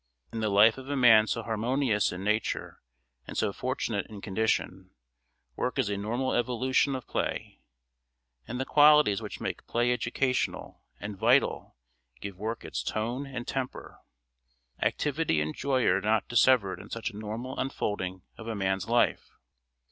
In the life of a man so harmonious in nature and so fortunate in condition, work is a normal evolution of play; and the qualities which make play educational and vital give work its tone and temper. Activity and joy are not dissevered in such a normal unfolding of a man's life.